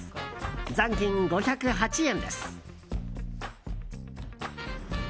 残金５０８円です。